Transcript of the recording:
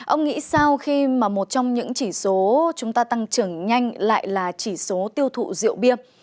ông nghĩ sao khi mà một trong những chỉ số chúng ta tăng trưởng nhanh lại là chỉ số tiêu thụ rượu bia